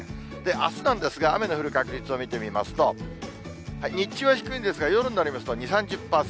あすなんですが、雨の降る確率を見てみますと、日中は低いんですが、夜になりますと２、３０％。